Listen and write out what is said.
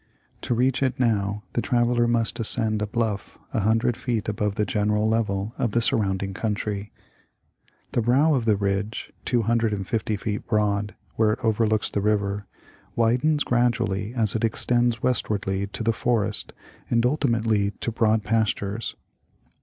To reach it now the traveller must ascend a bluff a hundred feet above the general level of the surrounding country. The brow of the ridge, two hundred and fifty feet broad where it overlooks the river, widens gradually as it extends westwardly to the forest and ultimately to broad pastures.